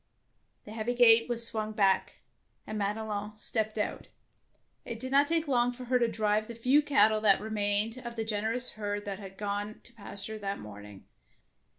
The heavy gate was swung back, and Madelon stepped out. It did not take 117 DEEDS OF DABING long for her to drive in the few cattle that remained of the generous herd that had gone to pasture that morning.